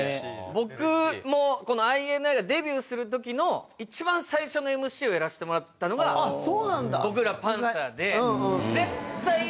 僕もＩＮＩがデビューするときの一番最初のＭＣをやらしてもらったのが僕らパンサーで。